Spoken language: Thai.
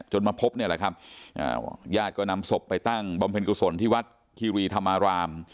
มาพบเนี่ยแหละครับญาติก็นำศพไปตั้งบำเพ็ญกุศลที่วัดคีรีธรรมาราม